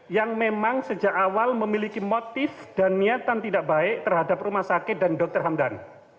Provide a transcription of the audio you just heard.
yang memang sejak awal memiliki motif dan niatan tidak baik terhadap rumah sakit dan dr hamdan